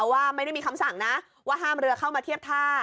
ว่าไม่ได้มีคำสั่งนะว่าห้ามเรือเข้ามาเทียบท่า